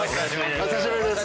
お久しぶりです。